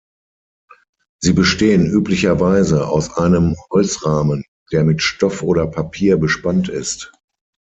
Sie bestehen üblicherweise aus einem Holzrahmen, der mit Stoff oder Papier bespannt ist.